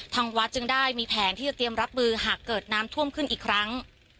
ทางวัดจึงได้มีแผนที่จะเตรียมรับมือหากเกิดน้ำท่วมขึ้นอีกครั้ง